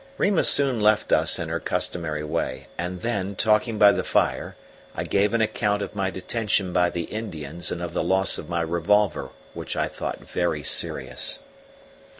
Rima soon left us in her customary way, and then, talking by the fire, I gave an account of my detention by the Indians and of the loss of my revolver, which I thought very serious.